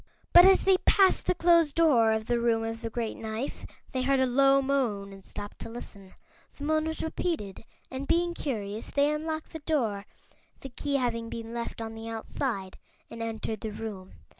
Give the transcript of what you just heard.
But as they passed the closed door of the Room of the Great Knife they heard a low moan and stopped to listen. The moan was repeated and, being curious, they unlocked the door the key having been left on the outside and entered the room.